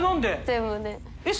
全部で。